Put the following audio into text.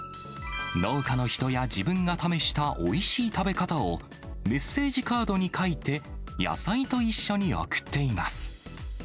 農家の人や自分が試した、おいしい食べ方を、メッセージカードに書いて、野菜と一緒に送っています。